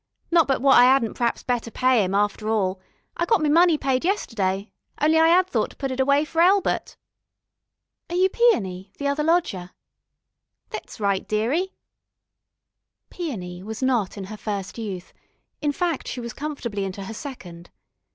Not but what I 'adn't p'raps better pay 'im after all. I got me money paid yesterday, on'y I 'ad thought to put it away for Elbert." "Are you Peony, the other lodger?" "Thet's right, dearie." Peony was not in her first youth, in fact she was comfortably into her second.